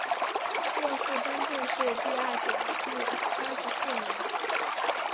殿试登进士第二甲第八十四名。